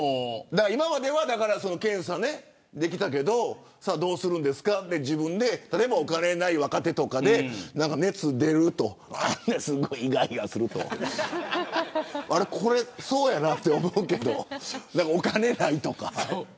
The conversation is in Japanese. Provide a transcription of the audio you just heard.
今までは検査できたけどどうするんですか自分で例えばお金がない若手とかで熱が出ると喉が、いがいがするとこれはそうやなと思うけどお金がないとか。